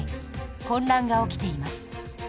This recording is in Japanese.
混乱が起きています。